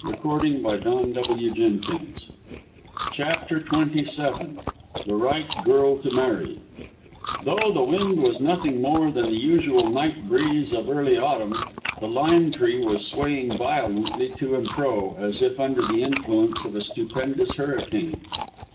[Illustration: THEY GAZED FASCINATED] CHAPTER XXVII THE RIGHT GIRL TO MARRY Though the wind was nothing more than the usual night breeze of early autumn, the lime tree was swaying violently to and fro, as if under the influence of a stupendous hurricane.